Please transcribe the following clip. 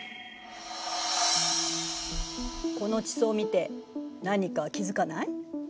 この地層を見て何か気付かない？